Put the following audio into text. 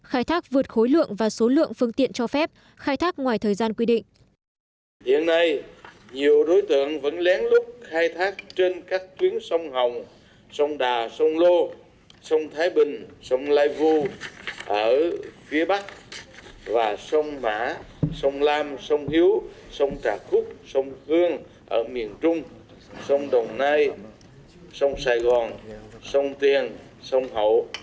khai thác vượt khối lượng và số lượng phương tiện cho phép khai thác ngoài thời gian quy định